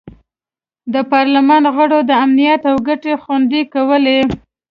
د پارلمان غړو د امنیت او ګټې خوندي کولې.